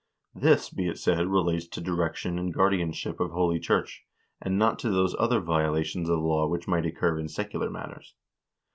This, be it said, relates to direction and guardianship of holy church, and not to those other violations of law which might occur in secular matters.